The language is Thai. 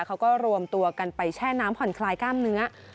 เขาก็รวมตัวกันไปแช่น้ำผ่อนคลายกล้ามเนื้อ